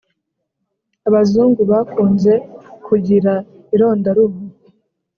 abazungu bakunze kugira ironda ruhu